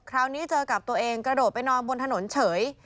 คราวนี้เจอกับตัวเองกระโดดไปนอนบนถนนเฉย